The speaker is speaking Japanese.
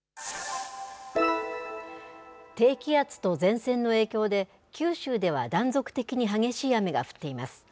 低気圧と前線の影響で、九州では断続的に激しい雨が降っています。